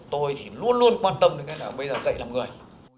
tôi thì luôn luôn quan tâm đến cái là bây giờ dạy làm người